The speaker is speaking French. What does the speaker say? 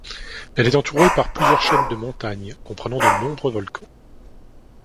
Elle est entourée par plusieurs chaînes de montagnes, comprenant de nombreux volcans.